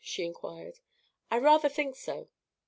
she inquired. "I rather think so."